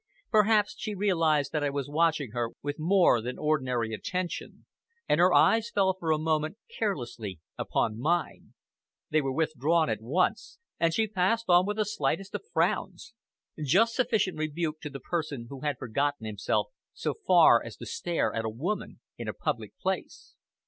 Perhaps she realized that I was watching her with more than ordinary attention, and her eyes fell for a moment carelessly upon mine. They were withdrawn at once, and she passed on with the slightest of frowns just sufficient rebuke to the person who had forgotten himself so far as to stare at a woman in a public place.